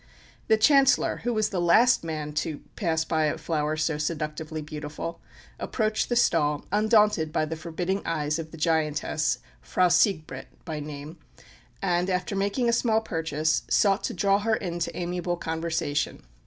The Chancellor, who was the last man to pass by a flower so seductively beautiful, approached the stall, undaunted by the forbidding eyes of the giantess, Frau Sigbrit, by name, and, after making a small purchase, sought to draw her into amiable conversation.